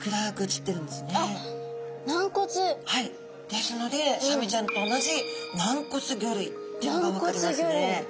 ですのでサメちゃんと同じ軟骨魚類っていうのが分かりますね。